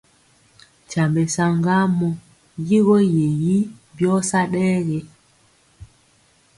Nkyambe saŋgamɔ! Yigɔ ye yi byɔ sa ɗɛ ge?